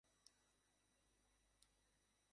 ক্ষেতে কী চাষ হয়?